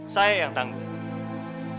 saya yang tangguh